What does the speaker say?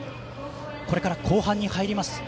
これから後半に入ります。